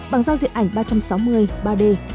bằng giao diện ảnh ba trăm sáu mươi ba d